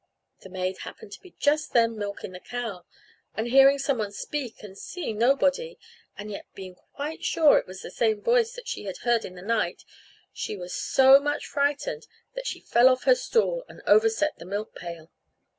The maid happened to be just then milking the cow, and hearing someone speak and seeing nobody, and yet being quite sure it was the same voice that she had heard in the night, she was so much frightened that she fell off her stool and overset the milk pail.